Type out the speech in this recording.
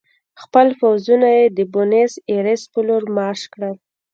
خپل پوځونه یې د بونیس ایرس په لور مارش کړل.